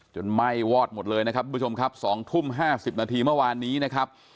จนไหม้วอดหมดเลยนะครับผู้ชมครับสองทุ่มห้าสิบนาทีเมื่อวานนี้นะครับ